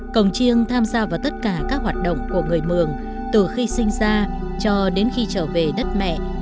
cồng chiêng tham gia vào tất cả các hoạt động của người mường từ khi sinh ra cho đến khi trở về đất mẹ